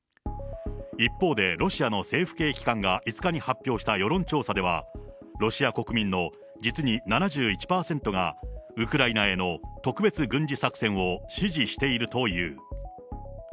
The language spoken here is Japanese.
一方で、ロシアの政府系機関が５日に発表した世論調査では、ロシア国民の実に７１％が、ウクライナへの特別軍事作戦を支持しているという。